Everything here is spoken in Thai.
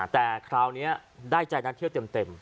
แต่คราวนี้ได้ใจนักเที่ยวเต็ม